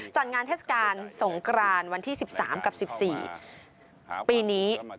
จัดงานเทศกาลสงกรานวันที่๑๓กับ๑๔ปีนี้